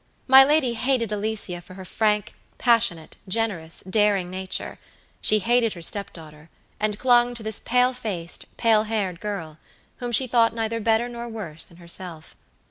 My lady hated Alicia for her frank, passionate, generous, daring nature; she hated her step daughter, and clung to this pale faced, pale haired girl, whom she thought neither better nor worse than herself.